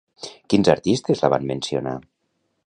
Quins artistes la van mencionar?